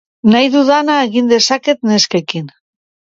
Nahi dudana egin dezaket neskekin!.